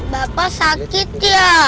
bapak sakit ya